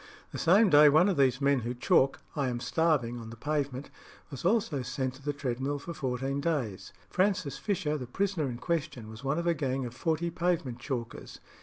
The same day one of those men who chalk "I am starving" on the pavement was also sent to the treadmill for fourteen days. Francis Fisher, the prisoner in question, was one of a gang of forty pavement chalkers.